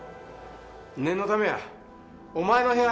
念のためやお前の部屋